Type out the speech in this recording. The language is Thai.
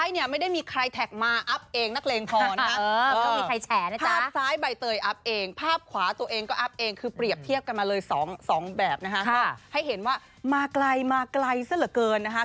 หมายถึงอะไรหมายถึงหน้า